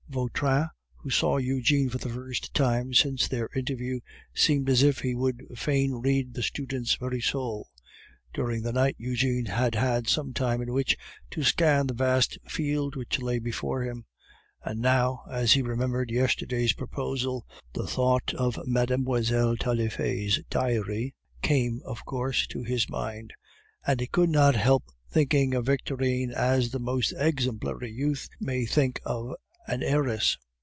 Vautrin, who saw Eugene for the first time since their interview, seemed as if he would fain read the student's very soul. During the night Eugene had had some time in which to scan the vast field which lay before him; and now, as he remembered yesterday's proposal, the thought of Mlle. Taillefer's dowry came, of course, to his mind, and he could not help thinking of Victorine as the most exemplary youth may think of an heiress.